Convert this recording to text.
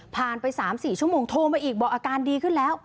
ไป๓๔ชั่วโมงโทรมาอีกบอกอาการดีขึ้นแล้ว